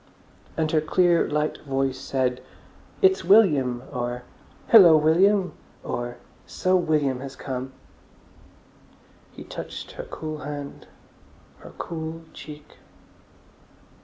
And her clear, light voice said, "It's William," or "Hillo, William!" or "So William has come!" He touched her cool hand, her cool cheek.